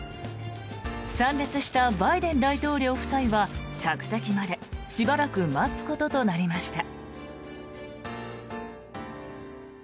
参列したバイデン大統領夫妻は着席までしばらく待つこととなりました。